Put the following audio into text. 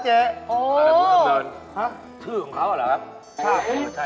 ชื่อของเขาเหรอ